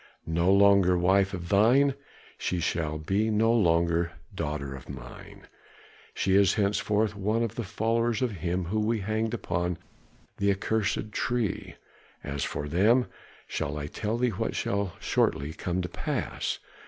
No longer wife of thine, she shall be no longer daughter of mine. She is henceforth one of the followers of him whom we hanged upon the accursed tree. As for them, shall I tell thee what shall shortly come to pass?"